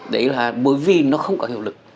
đấy là bởi vì nó không có hiệu lực